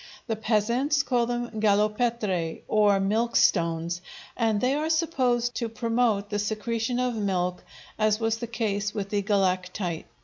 The peasants call them galopetræ, or "milk stones," and they are supposed to promote the secretion of milk, as was the case with the galactite.